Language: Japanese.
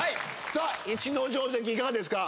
さあ逸ノ城関いかがですか？